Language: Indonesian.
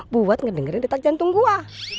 buat ngedengerin detak jantung gua